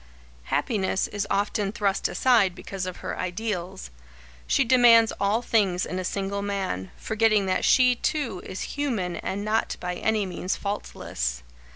Happiness is often thrust aside because of her ideals. She demands all things in a single man, forgetting that she, too, is human and not by any means faultless.